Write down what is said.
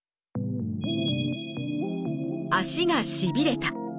足がしびれた。